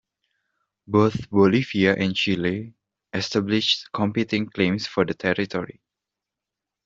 Both Bolivia and Chile established competing claims for the territory.